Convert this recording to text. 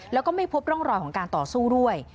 แล้วก็ไม่พบร่องรอยของการต่อสู้ด้วย